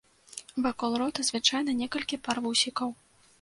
Вакол рота звычайна некалькі пар вусікаў.